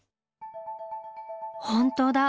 本当だ！